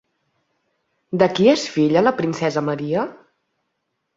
De qui és filla la princesa Maria?